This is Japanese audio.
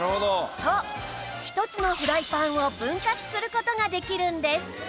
そう一つのフライパンを分割する事ができるんです